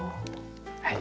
はい。